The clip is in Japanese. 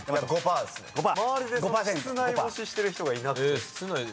周りで室内干ししてる人がいなくて。